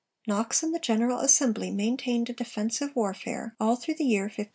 Knox and the General Assembly maintained a defensive warfare all through the year 1565 6.